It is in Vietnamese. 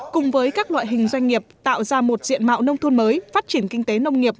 cùng với các loại hình doanh nghiệp tạo ra một diện mạo nông thôn mới phát triển kinh tế nông nghiệp